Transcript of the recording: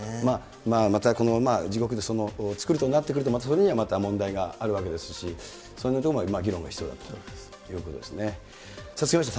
また自国でつくるとなってくると、それにはまた問題があるわけですし、そんなところも議論が必要だということですね。